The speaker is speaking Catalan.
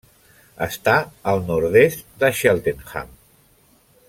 Està al nord-est de Cheltenham.